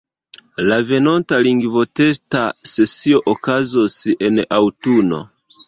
La venonta lingvotesta sesio okazos en aŭtuno.